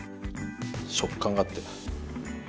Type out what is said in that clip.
食感があって。